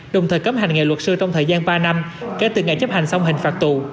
đồng thời cấm hành nghề luật sư trong thời gian ba năm kể từ ngày chấp hành xong hình phạt tù